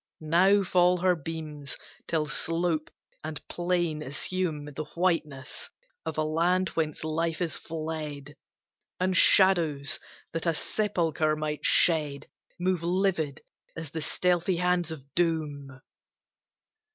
Now fall her beams till slope and plain assume The whiteness of a land whence life is fled; And shadows that a sepulcher might shed Move livid as the stealthy hands of doom.